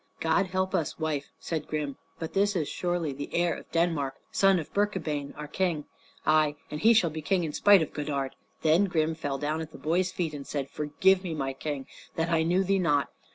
"God help us, wife," said Grim, "but this is surely the heir of Denmark, son of Birkabeyn our King! Ay, and he shall be King in spite of Godard." Then Grim fell down at the boy's feet and said, "Forgive me, my King, that I knew thee not.